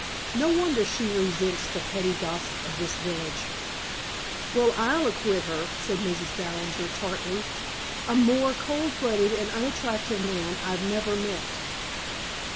No wonder she resents the petty gossip of this village." "Well, I'll acquit her," said Mrs. Ballinger tartly. "A more cold blooded and unattractive man I've never met."